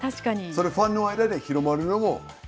それファンの間で広まるのもいいよね。